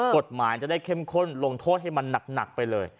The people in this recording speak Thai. กฎหมายจะได้เข้มข้นลงโทษให้มันหนักไปเลย